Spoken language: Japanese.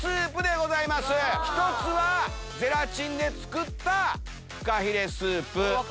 １つはゼラチンで作ったフカヒレスープ。